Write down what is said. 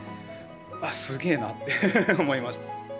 うわっすげえなって思いましたね。